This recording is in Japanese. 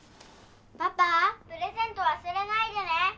「プレゼント忘れないでね！」